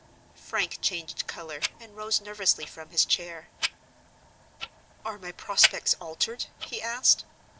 Frank changed color, and rose nervously from his chair. "Are my prospects altered?" he asked.